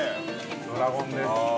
◆ドラゴンです。